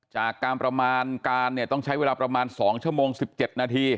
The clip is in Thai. จากการประมาณการต้องใช้เวลา๒ชม๑๗น